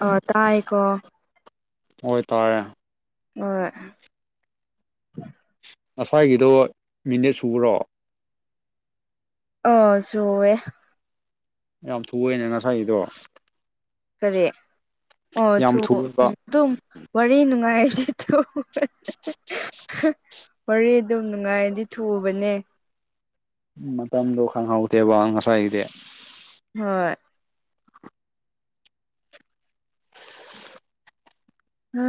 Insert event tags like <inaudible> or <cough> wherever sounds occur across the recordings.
ꯑ ꯇꯥꯏꯀꯣ ꯑꯣꯏ ꯇꯥꯔꯦ ꯑꯣ ꯉꯁ꯭ꯥꯏꯒꯤꯗꯣ ꯃꯤꯅꯦꯠ ꯁꯨꯕ꯭ꯔꯣ ꯑ ꯁꯣꯋꯦ ꯌꯥꯝ ꯊꯨꯌꯦꯅꯦ ꯉꯁꯥꯏꯒꯤꯗꯣ ꯀꯔꯦ ꯑꯣ ꯌꯥꯝ ꯊꯨꯑꯦꯕ ꯑꯗꯨꯝ ꯋꯥꯔꯤ ꯅꯨꯡꯉꯥꯏꯔꯦ ꯋꯥꯔꯤ ꯑꯗꯨꯝ ꯅꯨꯡꯉꯥꯏꯔꯗꯤ ꯊꯨꯕꯅꯦ ꯃꯇꯝꯗꯣ ꯈꯪꯍꯧꯗꯦꯕ ꯉꯁꯥꯏꯒꯤꯗꯤ ꯍꯣꯏ ꯑ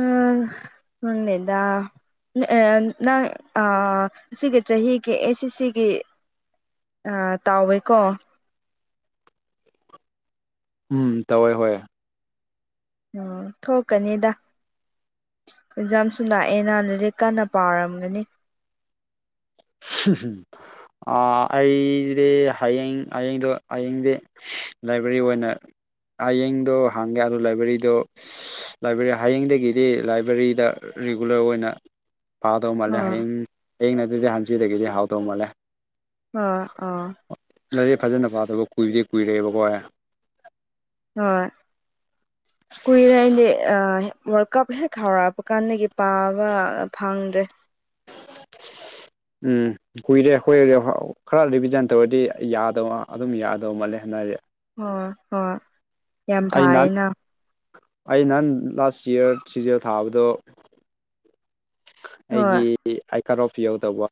ꯋꯥꯠꯂꯤꯗ ꯅꯪ ꯁꯤꯒꯤ ꯆꯍꯤꯒꯤ ꯑꯦꯁ ꯑꯦꯁ ꯁꯤꯒꯤ ꯑ ꯇꯥꯎꯋꯦꯀꯣ ꯎꯝ ꯇꯧꯋꯦ ꯍꯣꯏ ꯎꯝ ꯊꯣꯛꯀꯅꯤꯗ ꯑꯦꯛꯖꯥꯝꯁꯨ ꯅꯥꯛꯑꯦꯅꯥ ꯂꯥꯏꯔꯤꯛ ꯀꯟꯅ ꯄꯥꯔꯝꯒꯅꯤ ꯑꯩꯁꯤꯗꯤ ꯍꯌꯦꯡ ꯍꯌꯦꯡꯗꯣ ꯍꯌꯦꯡꯗꯤ ꯂꯥꯏꯕ꯭ꯔꯦꯔꯤ ꯑꯣꯏꯅ ꯍꯌꯦꯡꯗꯣ ꯍꯥꯡꯒꯦ ꯑꯗꯨ ꯂꯥꯏꯕ꯭ꯔꯦꯔꯤꯗꯣ ꯂꯥꯏꯕ꯭ꯔꯦꯔꯤ ꯍꯌꯦꯡꯗꯒꯤꯗꯤ ꯂꯥꯏꯕ꯭ꯔꯦꯔꯤꯗ ꯔꯤꯒꯨꯂꯔ ꯑꯣꯏꯅ ꯄꯗꯧ ꯃꯥꯜꯂꯦ ꯑꯥ ꯍꯌꯦꯡ ꯍꯌꯦꯡ ꯑꯗꯨꯗꯤ ꯍꯟꯆꯤꯗꯒꯤꯗꯤ ꯍꯥꯎꯗꯧ ꯃꯥꯜꯂꯦ ꯑ ꯑꯥ ꯂꯩꯔꯦ ꯐꯖꯅ ꯄꯥꯗꯕ ꯀꯨꯏꯕꯥꯗꯤ ꯀꯨꯏꯔꯦꯕꯀꯣ ꯑꯣꯏ ꯀꯨꯏꯔꯦ ꯑꯗꯤ ꯋꯥꯔꯜ ꯀꯞ ꯍꯦꯛ ꯍꯥꯎꯔꯛꯄ ꯀꯥꯟꯗꯒꯤ ꯄꯥꯕ ꯐꯪꯗ꯭ꯔꯦ ꯎꯝ ꯀꯨꯏꯔꯦ ꯑꯩꯈꯣꯏ ꯈꯔ ꯔꯤꯚꯖꯥꯏꯟ ꯇꯧꯔꯗꯤ ꯌꯥꯗꯕ ꯑꯗꯨꯝ ꯌꯥꯗꯕ ꯃꯟꯂꯦ ꯍꯟꯗꯛꯇꯤ ꯍ ꯍꯣꯏ ꯌꯥꯝ ꯑꯩ ꯅꯍꯥꯟ ꯐꯥꯏꯌꯦꯅ ꯑꯩ ꯅꯍꯥꯟ ꯂꯥꯁ ꯏꯔ ꯁꯤꯖꯦꯜ ꯊꯥꯕꯗꯣ ꯑꯩꯒꯤ ꯍꯣꯏ ꯑꯥꯏꯀꯥꯔ ꯑꯣꯐ ꯌꯧꯗꯕ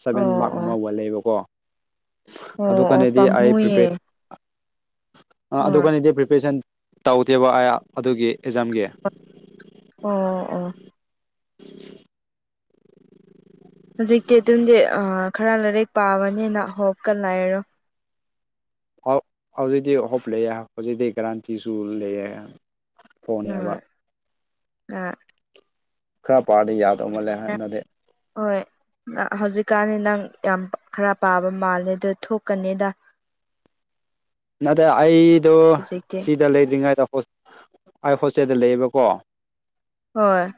ꯁꯚꯦꯟ ꯑꯣ ꯃꯥꯔꯛ ꯑꯣ ꯃꯨꯛ ꯋꯥꯠꯂꯩꯕꯀꯣ ꯑꯗꯨ ꯑꯣ ꯑꯣ ꯀꯥꯟꯗꯤ ꯑꯩ ꯄꯥꯝꯃꯨꯌꯦ ꯄ꯭ꯔꯤꯄꯔ ꯑꯗꯨ ꯍꯣꯏ ꯀꯅꯗꯤ ꯄ꯭ꯔꯤꯄꯦꯔꯦꯁꯟ ꯇꯧꯗꯦꯕ ꯑ ꯑꯗꯨꯒꯤ ꯑꯦꯛꯖꯥꯝꯒꯤ ꯑꯣ ꯑꯣ ꯍꯧꯖꯤꯛꯇꯤ ꯑꯗꯨꯝꯗꯤ ꯑ ꯈꯔ ꯂꯥꯏꯔꯤꯛ ꯄꯥꯕꯅꯤꯅ ꯍꯣꯞꯀ ꯂꯥꯏꯔꯣ ꯍꯧꯖꯤꯛꯗꯤ ꯍ‌ꯣꯞ ꯂꯩꯌ‌ꯦ ꯍꯧꯖꯤꯛꯇꯤ ꯀꯔꯥꯟꯇꯤꯁꯨ ꯂꯩꯌ‌ꯦ ꯎꯝ ꯑ ꯈꯔ ꯄꯥꯔꯗꯤ ꯌꯥꯗꯧ ꯃꯥꯜꯂ‌ꯦ ꯍꯟꯗꯛꯇꯤ ꯍꯣꯏ ꯍꯧꯖꯤꯛꯀꯥꯟꯗꯤ ꯅꯪ ꯌꯥꯝ ꯈꯔ ꯄꯥꯕ ꯃꯥꯜꯂ ꯑꯗꯨ ꯊꯣꯛꯀꯅꯤꯗ ꯑꯗ ꯑꯩꯗꯣ ꯍꯧꯖꯤꯛꯇꯤ ꯁꯤꯗ ꯂꯩꯗ꯭ꯔꯤꯉꯩꯗ ꯑꯩ ꯍꯣꯁꯇꯦꯜꯗ ꯂꯩꯌꯦꯕꯀꯣ ꯍꯣꯏ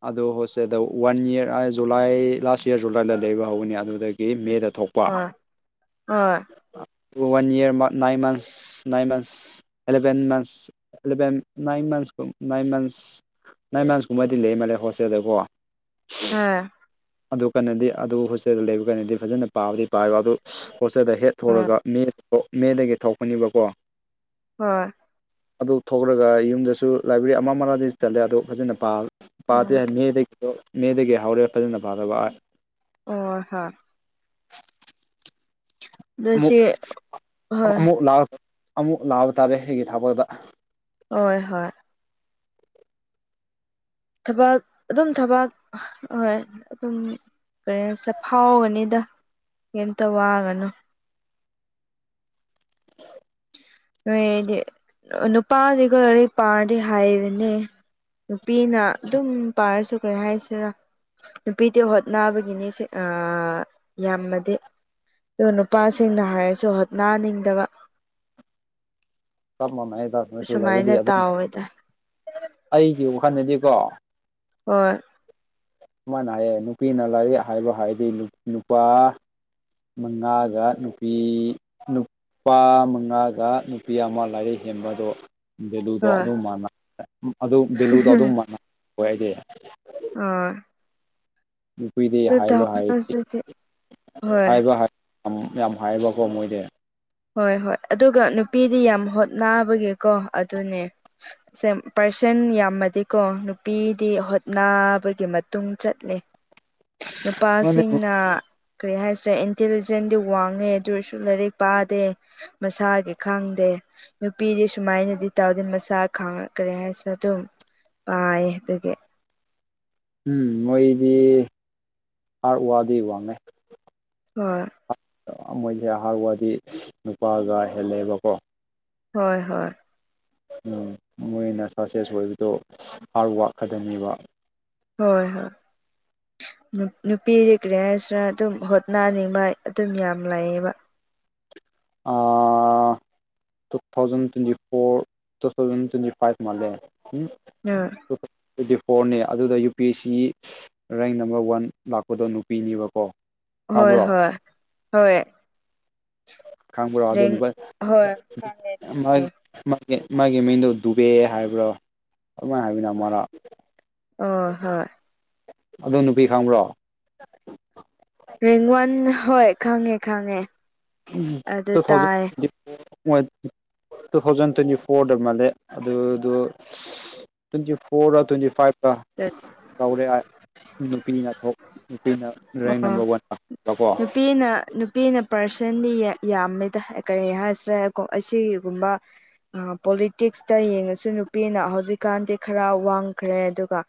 ꯑꯣ ꯍꯣꯠꯦꯗ one year July last year ꯖꯨꯂꯥꯏꯗ ꯂꯩꯕ ꯍꯧꯒꯅꯤ ꯑꯗꯨꯗꯒꯤ ꯃꯦꯗ ꯊꯣꯛ ꯍ‌ꯣꯏ ꯍ‌ꯣꯏ ꯋꯥꯟ ꯏꯌꯔ ꯅꯏꯟ ꯃꯟꯊꯁ ꯏꯟ months eleven months eleven nine months ꯀꯨꯝ ꯅꯥꯏꯟ ꯃꯟꯁ ꯅꯥꯏ ꯃꯁ ꯀꯨꯝꯕꯩꯗꯤ ꯂꯩ ꯃꯥꯜꯂꯦ ꯍꯣꯁꯇꯦꯜꯗꯀꯣ ꯑꯝ ꯑꯗꯨ ꯀꯟꯅꯗꯤ ꯑꯗꯨ ꯍꯣꯁꯇꯦꯜꯗ ꯂꯩꯕ ꯀꯥꯟꯟꯅꯗꯤ ꯐꯖꯅ ꯄꯥꯕꯗꯤ ꯄꯥꯏꯕ ꯑꯗꯨ ꯍꯣꯁꯇꯦꯜꯗ ꯍꯦꯠ ꯍꯣꯏ ꯊꯣꯔꯒ ꯃꯦ ꯃꯦꯗꯒꯤ ꯊꯣꯛꯄꯅꯦꯕꯀꯣ ꯍꯣꯏ ꯑꯗꯨ ꯊꯣꯛꯂꯒ ꯌꯨꯝꯗꯁꯨ ꯂꯥꯏꯕ꯭ꯔꯦꯔꯤ ꯑꯃ ꯃꯥꯗꯤ ꯆꯠꯂꯦ ꯑꯗ ꯐꯖꯅ ꯄꯥ ꯄꯥꯗꯦ ꯎꯝ ꯃꯦꯗꯒꯤ ꯃꯦꯗꯒꯤ ꯍꯧꯔꯦ ꯐꯖꯅ ꯄꯥꯗꯕ ꯑꯣ ꯍꯣꯏ ꯑꯗꯨ ꯑꯃꯨꯛ ꯁꯤ ꯍꯣꯏ ꯑꯃꯨꯛ ꯑꯃꯨꯛ ꯂꯥꯛꯑꯕ ꯇꯥꯔꯦ ꯑꯩꯒꯤ ꯊꯕꯜꯗ ꯍ‌ꯣꯏ ꯍꯣꯏ ꯊꯕꯛ ꯑꯗꯨꯝ ꯊꯕꯛ ꯍ‌ꯣꯏ ꯑꯗꯨꯝ ꯀꯔꯤ ꯍꯥꯏꯁꯤꯔ ꯐꯥꯎꯒꯅꯤꯗ ꯀꯩꯝꯇ ꯋꯥꯒꯅꯨ <inaudible> ꯅ‌ꯣꯏꯗꯤ ꯅꯨꯄꯥꯒꯤꯗꯤ ꯂꯥꯏꯔꯤꯛ ꯄꯥꯔꯗꯤ ꯍꯥꯏꯕꯅꯦ ꯅꯨꯄꯤꯅ ꯑꯗꯨꯝ ꯄꯥꯔꯁꯨ ꯀꯔꯤ ꯍꯥꯏꯁꯤꯔ ꯅꯨꯄꯤꯗꯤ ꯍꯣꯠꯅꯕꯒꯤꯅꯤꯁꯤ ꯑꯥ ꯌꯥꯝꯃꯗꯤ ꯗꯨ ꯅꯨꯄꯥꯁꯤꯡꯅ ꯍꯩꯔꯁꯨ ꯍꯣꯠꯅꯅꯤꯡꯗꯕ ꯆꯞ ꯃꯥꯟꯅꯩꯗ ꯅꯣꯏꯁꯨ ꯂꯩꯔꯗꯤ ꯁꯨꯃꯥꯏꯅ ꯑꯗꯨꯝ ꯇꯥꯎꯋꯦꯗ ꯑꯩꯒꯤ ꯋꯥꯈꯟꯗꯗꯤꯀꯣ ꯍ‌ꯣꯏ ꯁꯨꯃꯥꯏꯅ ꯍꯥꯏꯌꯦ ꯅꯨꯄꯤꯅ ꯂꯥꯏꯔꯤꯛ ꯍꯥꯏꯕ ꯍꯥꯏꯗꯤ ꯅꯨ ꯅꯨꯄꯥ ꯃꯉꯥꯒ ꯅꯨꯄꯤ ꯅꯨ ꯄꯥ ꯃꯉꯥꯒ ꯅꯨꯄꯤ ꯑꯃ ꯂꯥꯏꯔꯤꯛ ꯍꯦꯟꯕꯗꯣ ꯚꯦꯂꯨꯗꯣ ꯍꯣꯏ ꯑꯗꯨꯝ ꯃꯥꯟꯅ ꯑꯗꯨ ꯚꯦꯂꯨꯗꯣ ꯑꯗꯨꯝ ꯃꯥꯟꯅ ꯅꯣꯏꯗꯤ ꯍ‌ꯣꯏ ꯅꯨꯄꯤꯗꯤ ꯍꯥꯏꯕ ꯍꯥꯏ ꯍꯧꯖꯤꯛꯇꯤ ꯍꯣꯏ ꯍꯥꯏꯕ ꯍꯥꯏ ꯌꯥꯝ ꯍꯥꯏꯕꯀꯣ ꯃꯣꯏꯗꯤ ꯍꯣꯏ ꯍꯣꯏ ꯑꯗꯨꯒ ꯅꯨꯄꯤꯗꯤ ꯌꯥꯝ ꯍꯣꯠꯅꯥꯕꯒꯤꯀꯣ ꯑꯗꯨꯅꯦ ꯄꯥꯔꯁꯟ ꯌꯥꯝꯃꯗꯤꯀꯣ ꯅꯨꯄꯤꯗꯤ ꯍꯣꯠꯅꯕꯒꯤ ꯃꯇꯨꯡ ꯆꯠꯂꯦ ꯅꯨꯄꯥꯁꯤꯡꯅ ꯀꯔꯤ ꯍꯥꯏꯁꯤꯔꯦ ꯏꯟꯇꯦꯂꯤꯖꯦꯟꯗꯤ ꯋꯥꯡꯉꯦ ꯑꯗꯨ ꯑꯣꯏꯔꯁꯨ ꯂꯥꯏꯔꯤꯛ ꯄꯥ ꯇꯦ ꯃꯁꯥꯒꯤ ꯈꯪꯗꯦ ꯅꯨꯄꯤꯗꯤ ꯁꯨꯃꯥꯏꯅꯗꯤ ꯇꯧꯗ‍ꯦ ꯃꯁꯥ ꯈꯥꯡ ꯀꯔꯤꯍꯥꯏꯁꯤꯔ ꯑꯗꯨꯝ ꯄꯥꯏꯌ‌ꯦ ꯑꯗꯨꯒꯤ ꯎꯝ ꯃꯣꯏꯗꯤ ꯍꯥꯔꯠ ꯋꯥꯗꯤ ꯋꯥꯡꯉ‌ꯦ ꯫ ꯍꯣꯏ ꯃꯣꯏꯁꯦ ꯍꯥꯔꯠ ꯋꯥꯗꯤ ꯅꯨꯄꯥꯒ ꯍꯦꯜꯂꯦꯕꯀꯣ ꯍꯣꯏ ꯍꯣꯏ ꯎꯝ ꯃꯣꯏꯅ ꯁꯛꯁꯦꯁ ꯑꯣꯏꯕꯗꯣ ꯍꯥꯔꯠ ꯋꯥꯥꯛ ꯈꯗꯅꯦꯕ ꯍꯣꯏ ꯍꯣꯏ ꯅꯨ ꯅꯨꯄꯤꯗꯤ ꯀꯔꯤꯍꯥꯏꯁꯤꯔ ꯑꯗꯨꯝ ꯍꯣꯠꯅꯅꯤꯡꯕ ꯑꯗꯨꯝ ꯌꯥꯝ ꯂꯩꯌꯦꯕ ꯫ ꯑꯥ two thousand twenty four two thousand twenty five ꯃꯥꯂꯦ ꯎꯨꯝ ꯑꯥ <unintelligible> ꯇ꯭ꯋꯦꯟꯇꯤ ꯐꯣꯔꯅꯦ ꯑꯗꯨꯗ U P S C rank number one ꯂꯥꯛꯄꯗꯣ ꯅꯨꯄꯤꯅꯦꯕꯀꯣ ꯫ ꯍꯣꯏ ꯍꯣꯏ ꯍꯣꯏ ꯈꯥꯡꯕ꯭ꯔꯣ ꯑꯗꯨ ꯔꯦꯡ ꯍꯣꯏ <unintelligible> ꯈꯪꯉꯦ ꯈꯪꯉꯦ ꯃꯥꯒꯤ ꯃꯥꯒꯤ ꯃꯤꯡꯗꯣ ꯗꯨꯕꯦ ꯍꯥꯏꯕ꯭ꯔꯥ ꯑꯗꯨꯃꯥꯏꯅ ꯍꯥꯏꯕꯅ‌ꯦ ꯑꯃꯔꯥ ꯑꯣ ꯍꯣꯏ ꯑꯗ‌ꯨ ꯅꯨꯄꯤ ꯈꯪꯕ꯭ꯔꯣ? <inaudible> ꯔ‌ꯦꯡ ꯋꯥꯟ ꯍꯣꯏ ꯈꯪꯉꯦ ꯈꯪꯉꯦ ꯫ ꯎꯨꯝ <unintelligible> ꯃꯣꯏ ꯇꯨ ꯊꯥꯎꯖꯟ ꯇ꯭ꯋꯦꯟꯇꯤ ꯐꯣꯔꯗ ꯃꯥꯜꯂꯦ ꯑꯗꯨ ꯑꯗꯣ ꯇ꯭ꯋꯦꯟꯇꯤ ꯐꯣꯔꯔꯥ ꯇ꯭ꯋꯦꯟꯇꯤ ꯐꯥꯏꯚꯂ ꯇꯦ ꯇꯧꯔꯦ <unintelligible> <unintelligible> ꯑꯣ ꯋꯥꯟ ꯂꯥꯛꯄꯀꯣ ꯅꯨꯞ ꯄꯤꯅ ꯅꯨꯄꯤꯅ ꯄꯥꯔꯁꯟꯜꯂꯤ ꯌꯥꯝꯃꯤꯗ ꯀꯔꯤ ꯍꯥꯏꯁ꯭ꯔꯦꯔ ꯀꯣ ꯑꯁꯤꯒꯨꯝꯕ ꯍꯥ ꯄꯣꯂꯤꯇꯤꯛꯁꯇ ꯌꯦꯡꯉꯁꯨ ꯅꯨꯄꯤꯅ ꯍꯧꯖꯤꯛꯀꯥꯟꯗꯤ ꯈꯔ ꯋꯥꯡꯈ꯭ꯔꯦ ꯑꯗꯨꯒ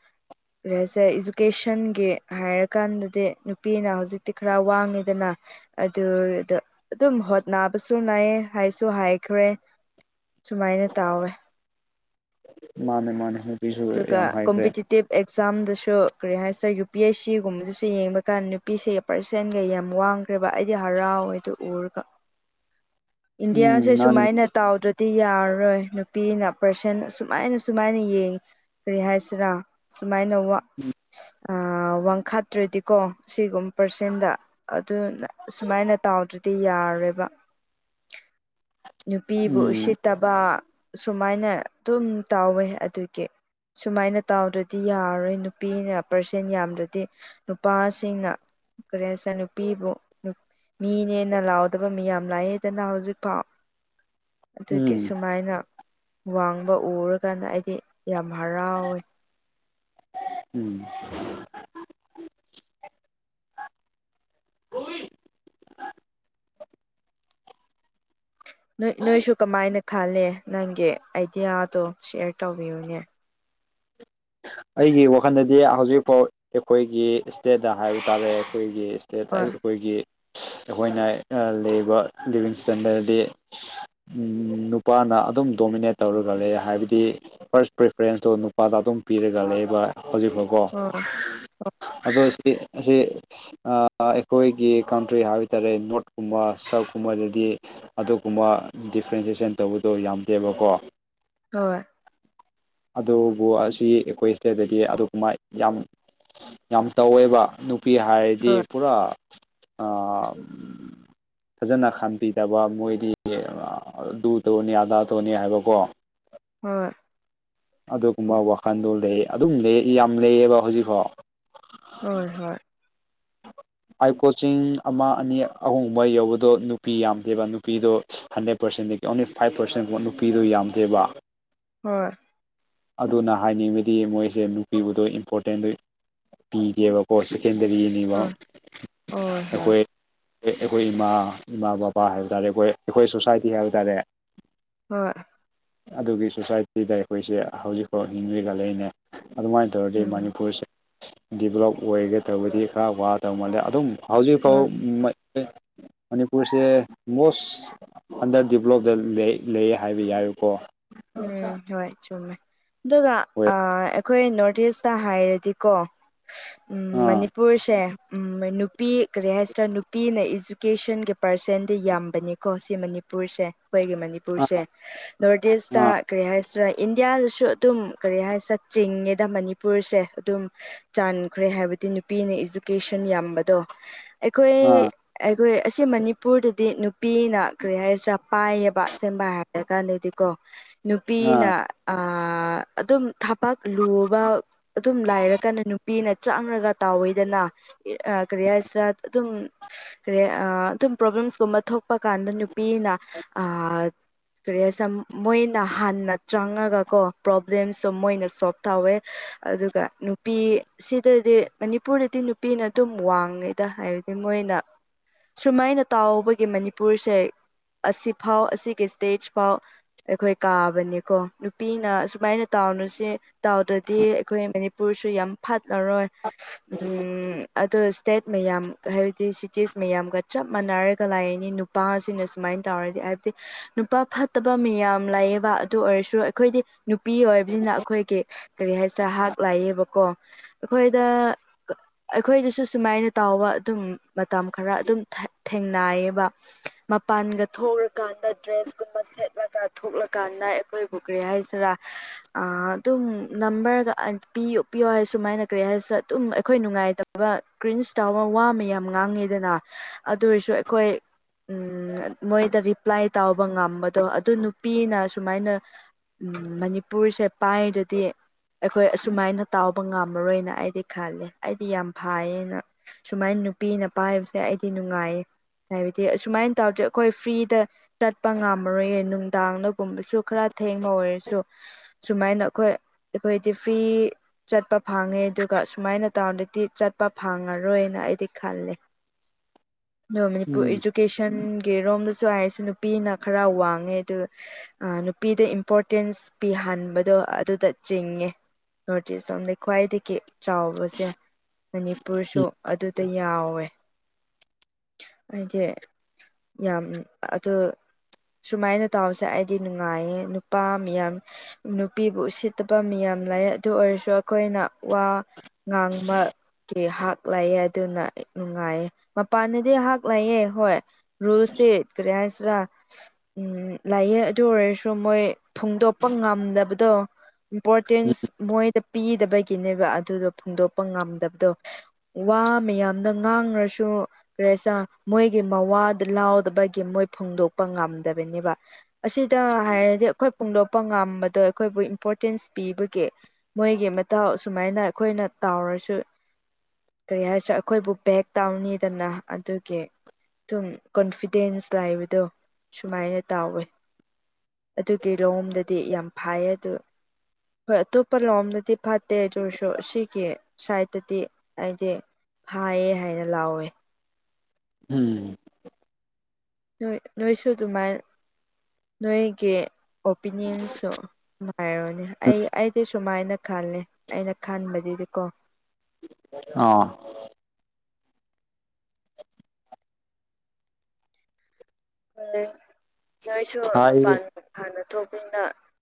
ꯔꯦꯁꯦ ꯏꯖꯨꯀꯦꯁꯟꯒꯤ ꯍꯥꯏꯔꯀꯥꯟꯗꯗꯤ ꯅꯨꯄꯤꯅ ꯍꯧꯖꯤꯛꯇꯤ ꯈꯔ ꯋꯥꯡꯉꯤꯗꯅ ꯑꯗꯨꯗ ꯑꯗꯨꯝ ꯍꯣꯠ ꯅꯥꯕꯁꯨ ꯅꯥꯏꯌꯦ ꯍꯥꯏꯁꯨ ꯍꯥꯏꯈ꯭ꯔꯦ ꯁꯨꯃꯥꯏꯅ ꯇꯥꯎꯋꯦ ꯃꯥꯅꯦ ꯃꯥꯅꯦ ꯅꯨ ꯑꯗꯨꯒ ꯀꯣꯝꯄꯤꯇꯤꯇꯤꯚ ꯑꯦꯛꯖꯥꯝꯗꯁꯨ ꯀꯔꯤ ꯍꯥꯏꯁꯔ ꯌꯨ ꯄꯤ ꯑꯦꯁ ꯁꯤꯒꯨꯝꯕꯗꯁꯨ ꯌꯦꯡꯕ ꯀꯥꯟꯗ ꯅꯨꯄꯤꯁꯦ ꯄꯥꯔꯁꯦꯟꯒ ꯌꯥꯝ ꯋꯥꯡ ꯈ꯭ꯔꯦꯕ ꯑꯩꯗꯤ ꯍꯔꯥꯎꯋꯦꯗꯨ ꯎꯔꯒ ꯏꯟꯗꯤꯌꯥꯁꯦ ꯎꯝ ꯃꯥꯅꯦ ꯁꯨꯃꯥꯏꯅ ꯇꯥꯎꯗ꯭ꯔꯗꯤ ꯌꯥꯔꯔꯣꯏ ꯅꯨꯄꯤꯅ ꯄꯥꯔꯁꯟ ꯁꯨꯃꯥꯏꯅ ꯁꯨꯃꯥꯏꯅ ꯌꯦꯡ ꯀꯔꯤ ꯍꯥꯏꯁꯤꯔꯥ ꯁꯨꯃꯥꯏꯅ ꯋꯥ ꯑꯥ ꯋꯥꯡꯈꯥꯠꯇ꯭ꯔꯗꯤꯀꯣ ꯁꯤꯒꯨꯝꯕ ꯄꯥꯔꯁꯦꯟꯗ ꯑꯗꯨꯅ ꯁꯨꯃꯥꯏꯅ ꯇꯥꯎꯗ꯭ꯔꯗꯤ ꯌꯥꯔꯦꯕ ꯅꯨꯄꯤꯕꯨ ꯎꯝ ꯎꯁꯤꯠꯇꯕ ꯁꯨꯃꯥꯏꯅ ꯑꯗꯨꯝ ꯇꯧꯋꯦ ꯑꯗꯨꯒꯤ ꯁꯨꯃꯥꯏꯅ ꯇꯥꯎꯗ꯭ꯔꯗꯤ ꯌꯥꯔꯔꯣꯏ ꯅꯨꯄꯤꯅ ꯄꯥꯔꯁꯦꯟ ꯌꯥꯝꯗ꯭ꯔꯗꯤ ꯅꯨꯄꯥꯁꯤꯡꯅ ꯀꯔꯤꯍꯥꯏꯁꯤꯔꯥ ꯅꯨꯄꯤꯕꯨ ꯃꯤꯅꯦꯅ ꯂꯥꯎꯗꯕ ꯃꯤ ꯌꯥꯝ ꯂꯥꯛꯑꯦꯗꯅ ꯍꯧꯖꯤꯛꯐꯥꯎ ꯑꯗꯨꯒꯤ ꯎꯝ ꯁꯨꯃꯥꯏꯅ ꯋꯥꯡꯕ ꯎꯔꯀꯥꯟꯗ ꯑꯩꯗꯤ ꯌꯥꯝ ꯍꯔꯥꯎꯋꯦ ꯎꯝ ꯅꯣꯏꯁꯨ ꯀꯃꯥꯏꯅ ꯈꯂꯦ ꯅꯪꯒꯤ ꯑꯥꯏꯗꯤꯌꯥꯗꯣ ꯁꯌꯔ ꯇꯧꯕꯤꯌꯨꯅꯦ ꯑꯩꯒꯤ ꯋꯥꯈꯜꯗꯗꯤ ꯍꯧꯖꯤꯛ ꯐꯥꯎ ꯑꯩꯈꯣꯏꯒꯤ ꯏꯁꯇꯦꯠꯇ ꯍꯥꯏꯕ ꯇꯥꯔꯦ ꯑꯩꯈꯣꯏꯒꯤ ꯍꯣꯏ ꯑꯩꯈꯣꯏꯒꯤ ꯑꯩꯈꯣꯏꯅ ꯂꯩꯕ ꯂꯤꯕꯤꯡ ꯏꯁꯇꯦꯟꯗꯔꯗꯤ ꯎꯝ ꯅꯨꯄꯥꯅ ꯑꯗꯨꯝ ꯗꯣꯃꯤꯅꯦꯠ ꯇꯧꯔꯒ ꯂꯩ ꯍꯥꯏꯕꯗꯤ ꯐꯥꯔꯁ ꯄ꯭ꯔꯤꯐꯔꯦꯟꯁꯇꯣ ꯅꯨꯄꯥꯗ ꯑꯗꯨꯝ ꯄꯤꯔꯒ ꯂꯩꯕ ꯍꯧꯖꯤꯛꯐꯥꯎꯀꯣ ꯍꯣꯏ ꯑꯩꯈꯣꯏ ꯁꯤ ꯑꯁꯤ ꯑꯩꯈꯣꯏꯒꯤ ꯀꯟꯇ꯭ꯔꯤ ꯍꯥꯏꯕ ꯇꯥꯔꯦ ꯅꯣꯔꯠ ꯀꯨꯝꯕ ꯁꯥꯎꯠꯀꯨꯝꯕꯗꯗꯤ ꯑꯗꯨꯒꯨꯝꯕ ꯗꯤꯐ꯭ꯔꯦꯟꯁꯦꯁꯟ ꯇꯧꯕꯗꯣ ꯌꯥꯝꯗꯦꯕꯀꯣ ꯍꯣꯏ ꯑꯗꯨꯕꯨ ꯑꯁꯤ ꯑꯩꯈꯣꯏ ꯏꯁꯇꯦꯠꯇꯗꯤ ꯑꯗꯨꯒꯨꯝꯕ ꯌꯥꯝ ꯌꯥꯝ ꯇꯧꯋꯦꯕ ꯅꯨ ꯅꯨꯄꯤ ꯍꯥꯏꯔꯗꯤ ꯍꯣꯏ ꯄꯨꯔꯥ ꯑꯥ <inaudible> ꯐꯥꯖꯅ ꯈꯟꯕꯤꯗꯕ ꯃꯣꯏꯗꯤ ꯑꯗꯨ ꯇꯧꯅꯤ ꯑꯗꯥ ꯇꯧꯅꯤ ꯍꯥꯏꯕꯀꯣ ꯍꯣꯏ ꯑꯗꯨꯒꯨꯝꯕ ꯋꯥꯈꯜꯗꯣ ꯂꯩ ꯑꯗꯨꯝ ꯂꯩ ꯌꯥꯝ ꯂꯩꯌꯦꯕ ꯍꯧꯖꯤꯛꯐꯥꯎ ꯍꯣꯏ ꯍꯣꯏ ꯑꯥꯏ ꯀꯣꯆꯤꯡ ꯑꯃ ꯑꯅꯤ ꯑꯍꯨꯝꯒꯨꯝꯕ ꯌꯧꯕꯗꯣ ꯅꯨꯄꯤ ꯌꯥꯝꯗꯦꯕ ꯅꯨꯄꯤꯗꯣ ꯍꯟꯗ꯭ꯔꯦꯠ ꯄꯥꯔꯁꯦꯟꯗꯒꯤ ꯑꯣꯡꯂꯤ ꯐꯥꯏꯚ ꯄꯥꯔꯁꯦꯟ ꯐꯥꯎ ꯅꯨꯄꯤꯗꯣ ꯌꯥꯝꯗꯦꯕ ꯍꯣꯏ ꯑꯗꯨꯅ ꯍꯥꯏꯅꯤꯡꯕꯗꯤ ꯃꯣꯏꯁꯦ ꯅꯨꯄꯤꯕꯨꯗꯣ ꯏꯝꯄꯣꯔꯇꯦꯟꯗꯣ ꯄꯤꯗꯦꯕ ꯀꯣ ꯁꯦꯀꯦꯟꯗꯔꯤꯅꯤꯕ ꯍꯣꯏ ꯍꯣꯏ ꯍꯣꯏ ꯍꯣꯏ ꯑꯩꯈꯣꯏ ꯑꯩꯈꯣꯏ ꯏꯃꯥ ꯏꯃꯥ ꯕꯕꯥ ꯍꯥꯏꯕ ꯇꯥꯔꯦ ꯑꯩꯈꯣꯏ ꯑꯩꯈꯣꯏ ꯁꯣꯁꯥꯏꯇꯤ ꯍꯥꯏꯕ ꯇꯥꯔꯦ ꯍꯣꯏ ꯑꯗꯨꯒꯤ ꯁꯣꯁꯥꯏꯇꯤꯗ ꯑꯩꯈꯣꯏꯁꯦ ꯍꯧꯖꯤꯛꯐꯥꯎ ꯍꯤꯡꯔꯤꯒ ꯂꯩꯅꯦ ꯑꯗꯨꯃꯥꯏꯅ ꯑꯗꯨ ꯑꯣꯏꯔꯗꯤ ꯎꯝ ꯃꯅꯤꯄꯨꯔꯁꯦ ꯗꯤꯕꯂꯞ ꯑꯣꯏꯒꯦ ꯇꯧꯕꯗꯤ ꯈꯔ ꯋꯥꯗꯧ ꯃꯥꯜꯂꯦ ꯑꯗꯨꯝ ꯍꯧꯖꯤꯛ ꯐꯥꯎ ꯑ ꯃꯅꯤꯄꯨꯔꯁꯦ ꯃꯣꯁ ꯑꯟꯗꯔ ꯗꯗꯤꯕꯂꯞꯇ ꯂꯩ ꯍꯥꯏꯕ ꯌꯥꯏꯀꯣ ꯎꯝ ꯍꯣꯏ ꯆꯨꯝꯃꯦ ꯑꯗꯨꯗꯥ ꯍꯣꯏ ꯑꯥ ꯑꯩꯈꯣꯏ ꯅꯣꯔꯠ ꯏꯁꯇ ꯍꯥꯏꯔꯗꯤ ꯗꯤꯀꯣ ꯎꯝ ꯑꯥ ꯃꯅꯤꯄꯨꯔꯁꯦ ꯎꯝ ꯅꯨꯄꯤ ꯀꯔꯤ ꯍꯥꯏꯁꯤꯔꯥ ꯅꯨꯄꯤꯅ ꯏꯖꯨꯀꯦꯁꯟꯒꯤ ꯄꯥꯔꯁꯦꯟꯗꯤ ꯌꯥꯝꯕꯅꯤꯀꯣ ꯁꯤ ꯃꯅꯤ ꯄꯨꯔꯁꯦ ꯑꯩꯈꯣꯏꯒꯤ ꯑꯥ ꯃꯅꯤꯄꯨꯔꯁꯦ ꯅꯣꯔꯠ ꯏꯁ ꯑꯥ ꯇ ꯀꯔꯤ ꯍꯥꯏꯁꯤꯔꯥ ꯏꯟꯗꯤꯌꯥꯗꯁꯨ ꯑꯗꯨꯝ ꯀꯔꯤ ꯍꯥꯏꯁꯤꯔꯥ ꯆꯤꯡꯉꯤꯗ ꯃꯅꯤꯄꯨꯔꯁꯦ ꯑꯗꯨꯝ ꯆꯥꯟꯈ꯭ꯔꯦ ꯍꯥꯏꯕꯗꯤ ꯅꯨꯄꯤꯅ ꯏꯖꯨꯀꯦꯁꯟ ꯌꯥꯝꯕꯗꯣ ꯑꯩꯈꯣꯏ ꯑꯥ ꯑꯩꯈꯣꯏ ꯑꯁꯤ ꯃꯅꯤꯄꯨꯔꯗꯗꯤ ꯅꯨꯄꯤꯅ ꯀꯔꯤ ꯍꯥꯏꯁꯤꯔꯥ ꯄꯥꯏꯌꯦꯕ ꯁꯦꯝꯕ ꯍꯥꯏꯔꯀꯥꯟꯗꯗꯤꯀꯣ ꯑꯥ ꯅꯨꯄꯤꯅ ꯑꯗꯨꯝ ꯊꯕꯛ ꯂꯨꯕ ꯑꯗꯨꯝ ꯂꯥꯏꯔꯀꯥꯟꯗ ꯅꯨꯄꯤꯅ ꯆꯥꯡꯉꯒ ꯇꯥꯎꯋꯦꯗꯅ ꯀꯔꯤ ꯍꯥꯏꯁꯤꯔ ꯑꯗꯨꯝ ꯀꯔꯤ ꯑꯥ ꯑꯗꯨꯝ ꯄ꯭ꯔꯣꯕ꯭ꯂꯦꯝꯁꯀꯨꯝꯕ ꯊꯣꯛꯄ ꯀꯥꯟꯗ ꯅꯨꯄꯤꯅ ꯑꯥ ꯀ꯭ꯔꯤ ꯁꯝ ꯃꯣꯏꯅ ꯍꯟꯅ ꯆꯪꯉꯒꯀꯣ ꯄ꯭ꯔꯣꯕ꯭ꯂꯦꯝꯁꯨ ꯃꯣꯏꯅ ꯁꯣꯜꯕ ꯇꯧꯋꯦ ꯑꯗꯨꯒ ꯅꯨꯄꯤ ꯁꯤꯗꯗꯤ ꯃꯅꯤꯄꯨꯔꯗꯗꯤ ꯅꯨꯄꯤꯅ ꯑꯗꯨꯝ ꯋꯥꯡꯉꯤꯗ ꯍꯥꯏꯔꯗꯤ ꯃꯣꯏꯅ ꯁꯨꯃꯥꯏꯅ ꯇꯥꯎꯕꯒꯤ ꯃꯅꯤꯄꯨꯔꯁꯦ ꯑꯁꯤꯐꯥꯎ ꯑꯁꯤꯒꯤ ꯏꯁꯇꯦꯠ ꯐꯥꯎ ꯑꯩꯈꯣꯏ ꯀꯥꯕꯅꯦꯀꯣ ꯅꯨꯄꯤꯅ ꯑꯁꯨꯃꯥꯏꯅ ꯇꯥꯎꯅꯨꯁꯦ ꯇꯗꯥꯥꯎꯗꯗꯤ ꯑꯩꯈꯣꯏ ꯃꯅꯤꯄꯨꯔꯁꯨ ꯌꯥꯝ ꯐꯠꯂꯔꯣꯏ ꯎꯝ ꯑꯣ ꯏꯁꯇꯦꯠ ꯃꯌꯥꯝ ꯍꯥꯏꯕꯗꯤ ꯁꯤꯇꯤꯁ ꯃꯌꯥꯝꯒ ꯆꯞ ꯃꯥꯟꯅꯔꯒ ꯂꯥꯛꯅꯤ ꯅꯨ ꯅꯨꯄꯥ ꯑꯁꯤꯅ ꯁꯨꯃꯥꯏꯅ ꯇꯧꯔꯗꯤ ꯍꯥꯏꯕꯗꯤ ꯅꯨꯄꯥ ꯐꯠꯇꯕ ꯃꯤꯌꯥꯝ ꯌꯥꯝ ꯂꯩꯌꯦꯕ ꯑꯗꯨ ꯑꯣꯏꯔꯁꯨ ꯑꯩꯈꯣꯏꯗꯤ ꯅꯨꯄꯤ ꯑꯣꯏꯕꯅꯤꯅ ꯑꯩꯈꯣꯏꯒꯤ ꯀꯔꯤ ꯍꯥꯏꯁꯤꯔ ꯍꯥꯛ ꯂꯩꯑꯦꯕꯀꯣ ꯑꯩꯈꯣꯏꯗ ꯑꯩꯈꯣꯏꯗꯁꯨ ꯁꯨꯃꯥꯏꯅ ꯇꯥꯎꯕ ꯑꯗꯨꯝ ꯃꯇꯝ ꯈꯔ ꯑꯗꯨꯝ ꯊꯦꯡꯅꯥꯏꯌꯦꯕ ꯃꯄꯥꯟꯒ ꯊꯣꯛꯔꯀꯥꯟꯗ ꯗ꯭ꯔꯦꯁ ꯀꯨꯝꯕ ꯁꯦꯠꯂꯒ ꯊꯣꯛꯂꯀꯥꯟꯗ ꯑꯩꯈꯣꯏꯕꯨ ꯀꯔꯤ ꯍꯥꯏꯁꯤꯔꯥ ꯑꯗꯨꯝ ꯅꯝꯕꯔꯒ ꯄꯤ ꯄꯤꯌꯣ ꯍꯥꯏ ꯁꯨꯃꯥꯏꯅ ꯀ꯭ꯔꯔꯤ ꯍꯥꯏꯁꯤꯔ ꯑꯗꯨꯝ ꯑꯩꯈꯣꯏ ꯅꯨꯡꯉꯥꯏꯇꯕ ꯕ ꯀ꯭ꯔꯤꯟꯁ ꯆꯥꯎꯕ ꯋꯥ ꯑꯃ ꯌꯥꯝ ꯉꯥꯡꯉꯤꯗꯅ ꯑꯗꯨ ꯑꯣꯏꯔꯁꯨ ꯑꯩꯈꯣꯏ ꯎꯝ ꯃꯣꯏꯗ ꯔꯤꯄ꯭ꯂꯥꯏ ꯇꯥꯎꯧꯕ ꯉꯝꯕꯗꯣ ꯑꯗꯨ ꯅꯨꯄꯤꯅ ꯁꯨꯃꯥꯏꯅ ꯎꯝ ꯃꯅꯤꯄꯨꯔꯁꯦ ꯄꯥꯏꯔꯗꯤ ꯑꯩꯈꯣꯏ ꯑꯁꯨꯃꯥꯏꯅ ꯇꯥꯎꯕ ꯉꯝꯃꯔꯣꯏꯅ ꯑꯩꯗꯤ ꯈꯂꯦ ꯑꯩꯗꯤ ꯌꯥꯝ ꯐꯥꯏꯌꯦꯅ ꯁꯨꯃꯥꯏꯅ ꯅꯨꯄꯤ ꯅꯨꯄꯥ ꯍꯥꯏꯕꯁꯦ ꯑꯩꯗꯤ ꯅꯨꯡꯉꯥꯏꯌꯦ ꯍꯥꯏꯕꯗꯤ ꯑꯁꯨꯃꯥꯏꯅ ꯇꯧꯔꯗ ꯑꯩꯈꯣꯏ ꯐ꯭ꯔꯤꯗ ꯆꯠꯄ ꯉꯝꯃꯔꯣꯏꯌꯦ ꯇꯥꯡꯅꯒꯨꯝꯕꯁꯨ ꯈꯔ ꯊꯦꯡꯕ ꯑꯣꯏꯔꯁꯨ ꯁꯨꯃꯥꯏꯅ ꯑꯩꯈꯣꯏ ꯑꯩꯈꯣꯏꯗꯤ ꯐ꯭ꯔꯤ ꯆꯠꯄ ꯐꯥꯡꯉꯦ ꯑꯗꯨꯒ ꯁꯨꯃꯥꯏꯅ ꯇꯥꯎꯟꯗꯗꯤ ꯆꯠꯄ ꯐꯪꯉꯔꯣꯏꯅ ꯑꯩꯗꯤ ꯈꯜꯂꯦ <inaudible> ꯑ ꯃꯅꯤꯄꯨꯔ ꯎꯝ ꯏꯗꯨꯨꯀꯦꯁꯟꯒꯤꯔꯣꯝꯗꯁꯨ ꯍꯥꯏꯔꯤꯁꯦ ꯅꯨꯄꯤꯅ ꯈꯔ ꯋꯥꯡꯉꯦ ꯑꯗꯨ ꯅꯨꯄꯤꯗ ꯏꯝꯄꯣꯔꯇꯦꯟꯁ ꯄꯤꯍꯟꯕꯗꯣ ꯑꯗꯨꯗ ꯆꯤꯡꯉꯦ ꯅꯣꯔꯠ ꯏꯁ ꯂꯣꯝꯗꯒꯤ ꯈ꯭ꯋꯥꯏꯗꯒꯤ ꯆꯥꯎꯕꯁꯦ ꯃꯅꯤꯄꯨꯔꯁꯨ ꯑꯗꯨꯗ ꯌꯥꯎꯋꯦ ꯑꯩꯗꯤ ꯌꯥꯝ ꯑꯗꯨ ꯁꯨꯃꯥꯏꯅ ꯇꯥꯎꯁꯦ ꯑꯩꯗꯤ ꯅꯨꯡꯉꯥꯏꯌꯦ ꯅꯨꯄꯥ ꯃꯤꯌꯥꯝ ꯅꯨꯄꯤꯕꯨ ꯁꯤꯠꯇꯕ ꯃꯤ ꯌꯥꯝ ꯂꯥꯛ ꯑꯗꯨ ꯑꯣꯏꯔꯁꯨ ꯑꯩꯈꯣꯏꯅ ꯋꯥ ꯉꯥꯡꯕ ꯀ ꯍꯥꯛ ꯂꯩꯑꯦ ꯑꯗꯨꯅ ꯅꯨꯡꯉꯥꯏꯌꯦ ꯃꯄꯥꯟꯗꯗꯤ ꯍꯥꯛ ꯂꯩꯑꯦ ꯍꯣꯏ ꯔꯨꯜꯁꯇꯤ ꯀꯔꯤ ꯍꯥꯏꯁꯤꯔ ꯎꯝ ꯂꯩꯑꯦ ꯑꯗꯨ ꯑꯣꯏꯔꯁꯨ ꯃꯣꯏ ꯐꯣꯡꯗꯣꯛꯄ ꯉꯝꯗꯕꯗꯣ ꯏꯝꯄꯣꯔꯇꯦꯟꯁ ꯃꯣꯏꯗ ꯄꯤꯗꯕꯒꯤꯅꯦꯕ ꯑꯗꯨꯗꯣ ꯐꯣꯡꯗꯣꯛꯄ ꯉꯝꯗꯕꯗꯣ ꯋꯥ ꯃꯌꯥꯝꯅ ꯉꯥꯡꯔꯁꯨ ꯀꯦꯁ ꯃꯣꯏꯒꯤ ꯃꯋꯥꯗꯨ ꯂꯥꯎꯗꯕꯒꯤ ꯃꯣꯏ ꯐꯣꯡꯗꯣꯛꯄ ꯉꯝꯗꯕꯅꯦꯕ ꯑꯁꯤꯗ ꯍꯥꯏꯔꯗꯤ ꯑꯩꯈꯣꯏ ꯐꯣꯡꯗꯣꯛꯄ ꯉꯝꯕꯗꯣ ꯑꯩꯈꯣꯏꯕꯨ ꯏꯝꯄꯣꯔꯇꯦꯟꯁ ꯄꯤꯕꯒꯤ ꯃꯣꯏꯒꯤ ꯃꯇꯥꯎ ꯁꯁꯨꯃꯥꯏꯅ ꯑꯩꯈꯣꯏꯅ ꯇꯥꯎꯔꯁꯨ ꯀꯔꯤ ꯍꯥꯏꯁꯤꯥ ꯑꯩꯈꯣꯏꯕꯨ ꯕꯦꯛ ꯇꯥꯎꯅꯤꯗꯅ ꯑꯗꯨꯒꯤ ꯁꯨꯝ ꯀꯣꯟꯐꯤꯗꯦꯟꯁ ꯂꯩꯕꯗꯣ ꯁꯨꯃꯥꯏꯅ ꯇꯥꯎꯋꯦ ꯑꯗꯨꯒꯤ ꯂꯧꯑꯣꯝꯗꯗꯤ ꯌꯥꯝ ꯐꯥꯏꯌꯦ ꯑꯗꯨ ꯍꯣꯏ ꯑꯇꯣꯞꯄ ꯂꯣꯝꯗꯗꯤ ꯐꯠꯇꯦ ꯑꯗꯨꯔꯁꯨ ꯁꯤꯒꯤ ꯁꯥꯏꯠꯇꯗꯤ ꯑꯩꯗꯤ ꯐꯥꯏꯌꯦ ꯍꯥꯏꯅ ꯂꯥꯎꯋꯦ ꯎꯝ ꯅꯣꯏ ꯅꯣꯏꯁꯨ ꯑꯗꯨꯃꯥꯏꯅ ꯅꯣꯏꯒꯤ ꯑꯣꯄꯤꯅꯤꯌꯟꯁꯨ ꯅꯨꯡꯉꯥꯏꯔꯣꯅꯦ ꯑꯩ ꯑꯩꯗꯤ ꯁꯨꯃꯥꯏꯅ ꯈꯜꯂꯦ ꯑꯩꯅ ꯈꯟꯕꯗꯨꯗꯤꯀꯣ ꯑꯥꯎ ꯎꯝ ꯅꯣꯏꯁꯨ ꯍꯥꯏꯌꯦ ꯃꯄꯥꯟ ꯍꯥꯟꯅ ꯊꯣꯛꯄꯅꯤꯅ